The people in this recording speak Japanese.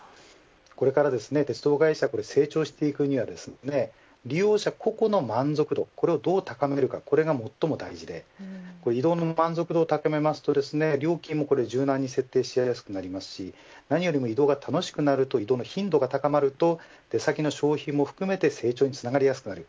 これから鉄道会社が成長していくためには利用者個々の満足度をどう高めるかこれが最も大事で移動の満足度を高めると料金も柔軟に設定しやすくなりますし何よりも移動が楽しくなって移動の頻度が高まると出先の消費も含めて成長につながりやすくなる。